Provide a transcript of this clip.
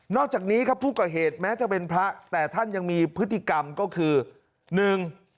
อกจากนี้ครับผู้ก่อเหตุแม้จะเป็นพระแต่ท่านยังมีพฤติกรรมก็คือหนึ่ง